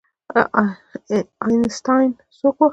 آینسټاین څوک و؟